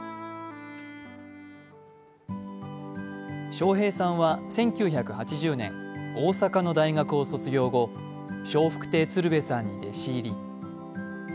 笑瓶さんは１９８０年、大阪の大学を卒業後、笑福亭鶴瓶さんに弟子入り。